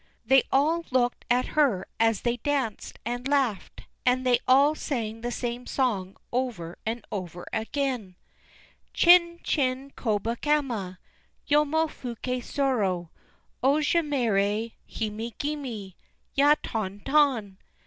They all looked at her as they danced, and laughed, and they all sang the same song over and over again: Chin chin Kobakama, Yomo fuké sōro— Oshizumare, Hime gimi!— Ya ton ton!